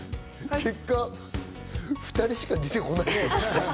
結果２人しか出てこない。